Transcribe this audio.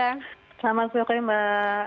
selamat sore mbak